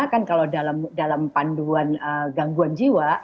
kan kalau dalam panduan gangguan jiwa